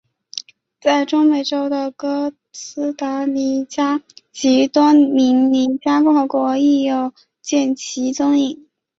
在中美洲的哥斯达尼加及多明尼加共和国亦有见其踪影。